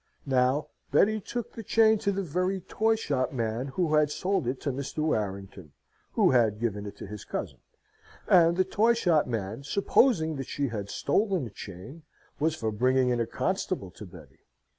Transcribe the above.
Now, Betty took the chain to the very toy shop man who had sold it to Mr. Warrington, who had given it to his cousin; and the toy shop man, supposing that she had stolen the chain, was for bringing in a constable to Betty.